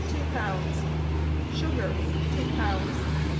2 pounds. Sugar ,\ 2 pounds.